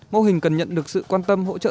mô hình cần nhận được sự quan tâm hỗ trợ